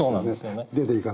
出ていかないと。